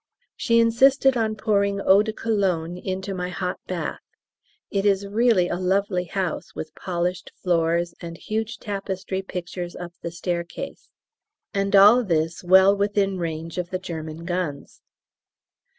She insisted on pouring eau de Cologne into my hot bath. It is really a lovely house, with polished floors and huge tapestry pictures up the staircase. And all this well within range of the German guns.